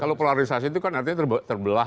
kalau polarisasi itu kan artinya terbelah